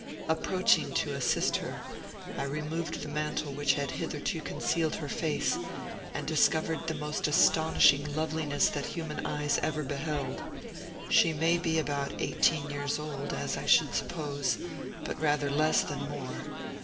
Approaching to assist her, I removed the mantle which had hitherto concealed her face, and discovered the most astonishing loveliness that human eyes ever beheld. She may be about eighteen years old, as I should suppose, but rather less than more.